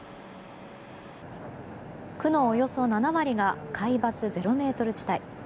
区のおよそ７割が海抜０ｍ地帯。